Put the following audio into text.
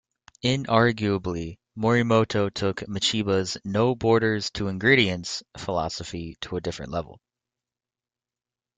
Inarguably, Morimoto took Michiba's "no borders to ingredients" philosophy to a different level.